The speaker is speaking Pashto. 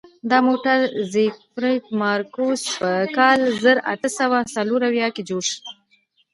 دا موټر زیکفرد مارکوس په کال زر اته سوه څلور اویا کې جوړ کړ.